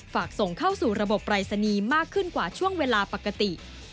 ฝากส่งเข้าสู่ระบบปรายศนีย์มากขึ้นกว่าช่วงเวลาปกติ